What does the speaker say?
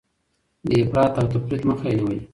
د افراط او تفريط مخه يې نيولې.